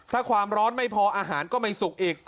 ถ้าความร้อนไม่พออาหารก็ไม่สุกอีก